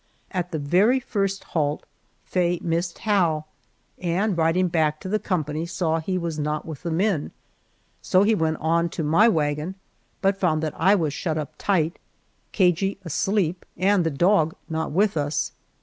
At the first halt Faye missed Hal, and riding back to the company saw he was not with the men, so he went on to my wagon, but found that I was shut up tight, Cagey asleep, and the dog not with us.